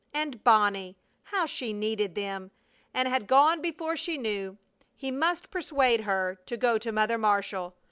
And Bonnie! How she needed them and had gone before she knew! He must persuade her to go to Mother Marshall!